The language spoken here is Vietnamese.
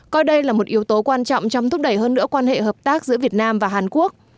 coi đây là một yếu tố quan trọng trong thúc đẩy hơn nữa quan hệ hợp tác giữa việt nam và hàn quốc